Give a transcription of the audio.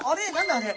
あれ！？